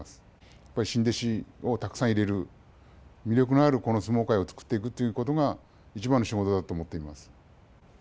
新弟子をたくさん入れる魅力のある相撲界を作っていくということがいちばんの仕事だと思っています。